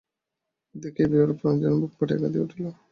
দেখিয়া বিভার প্রাণ যেন বুক ফাটিয়া কাঁদিয়া উঠিতে চাহিল।